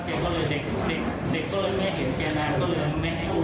เด็กเด็กก็ไม่เห็นแกนานก็เลยไม่ให้อุ้ม